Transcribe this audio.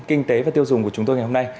kinh tế và tiêu dùng của chúng tôi ngày hôm nay